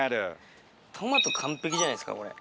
トマト完璧じゃないっすかこれ。